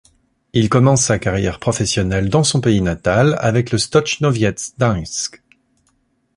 Il commence sa carrière professionnelle dans son pays natal avec le Stoczniowiec Gdańsk.